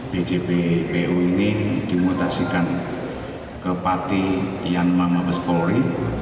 bjp bu ini dimutasikan ke parti yanma mabes polri